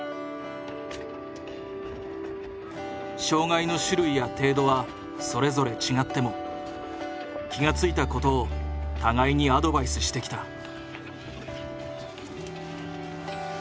障がいの種類や程度はそれぞれ違っても気が付いたことを互いにアドバイスしてきた。